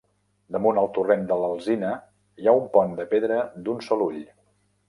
Damunt el torrent de l'Alzina hi ha un pont de pedra d'un sol ull.